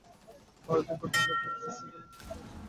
আর দেখ, ঠাণ্ডা পেপসি বা সেভেন আপ কিছু আছে কি না।